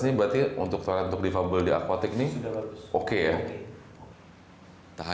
ini cukup luas sih mas ya untuk nutup